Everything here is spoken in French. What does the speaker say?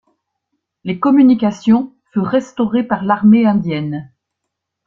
Les communications furent restaurées par l'Armée indienne.